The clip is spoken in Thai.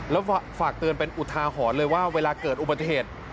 แล้วฝากเตือนเป็นอุทาหรณ์เลยว่าเวลาเกิดอุบัติเหตุ